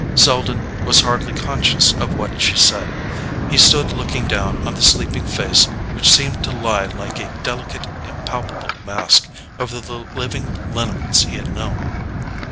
Selden was hardly conscious of what she said. He stood looking down on the sleeping face which seemed to lie like a delicate impalpable mask over the living lineaments he had known.